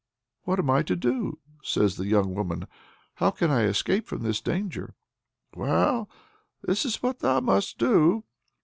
"What am I to do?" says the young woman. "How can I escape from this danger?" "Well, this is what thou must do.